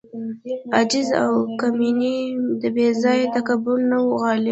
عجز او کمیني د بې ځای تکبر نه وه غالبه.